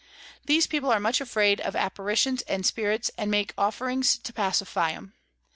These People are much afraid of Apparitions and Spirits, and make Offerings to pacify 'em.